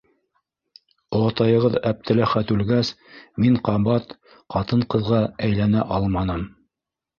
Олатайығыҙ, Әптеләхәт үлгәс, мин ҡабат ҡатын-ҡыҙға әйләнә алманым...